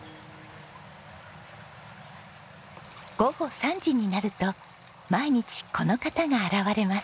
午後３時になると毎日この方が現れます。